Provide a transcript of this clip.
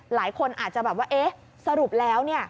หลายคนอาจจะแบบว่าสรุปแล้ว